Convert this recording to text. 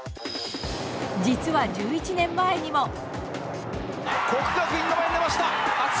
実は、１１年前にも。